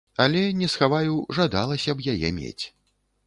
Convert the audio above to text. Але, не схаваю, жадалася б яе мець.